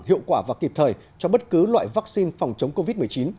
hiệu quả và kịp thời cho bất cứ loại vaccine phòng chống covid một mươi chín